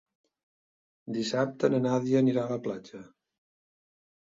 Dissabte na Nàdia anirà a la platja.